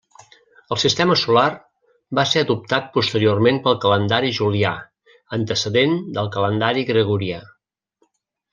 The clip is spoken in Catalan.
El sistema solar va ser adoptat posteriorment pel calendari julià, antecedent del calendari gregorià.